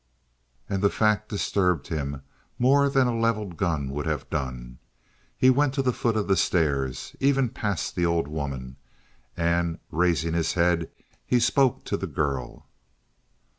And the fact disturbed him more than a leveled gun would have done. He went to the foot of the stairs, even past the old woman, and, raising his head, he spoke to the girl.